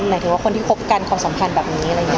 หมายถึงว่าคนที่คบกันความสัมพันธ์แบบนี้อะไรอย่างนี้